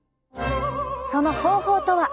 その方法とは。